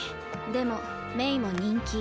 でもメイも人気。